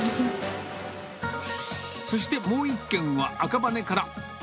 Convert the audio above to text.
そして、もう１軒は赤羽から。